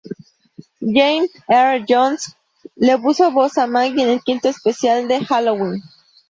James Earl Jones le puso voz a Maggie en el quinto especial de Halloween.